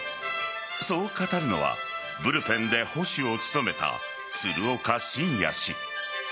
そう語るのはブルペンで捕手を務めた鶴岡慎也氏。